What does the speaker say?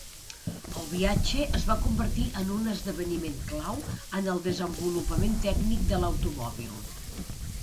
El viatge es va convertir en un esdeveniment clau en el desenvolupament tècnic de l'automòbil.